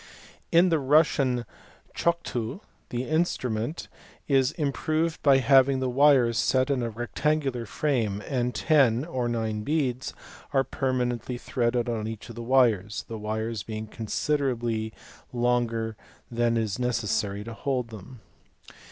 In the Russian tschotii (fig. ii) the instrument is improved by having the wires set in a rectangular frame, and ten (or nine) beads are permanently threaded on each of the wires, the wires being considerably longer than is necessary to hold them.